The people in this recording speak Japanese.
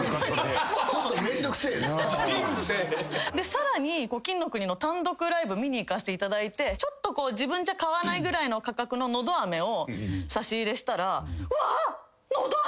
さらに金の国の単独ライブ見に行かせていただいて自分じゃ買わないぐらいの価格ののどあめを差し入れしたら。